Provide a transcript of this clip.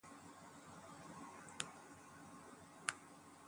I loved Berlin.